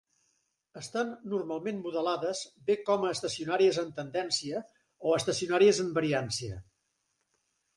Estan normalment modelades bé com a estacionàries en tendència o estacionàries en variància.